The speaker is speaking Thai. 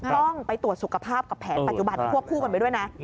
ต้องไปตรวจสุขภาพกับแผนปัจจุบันที่ควบคู่กันไปด้วยนะ